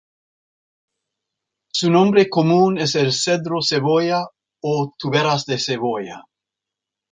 Su nombre común es el cedro cebolla o turberas de cebolla.